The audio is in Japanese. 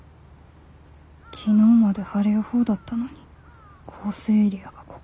昨日まで晴れ予報だったのに降水エリアがここまで。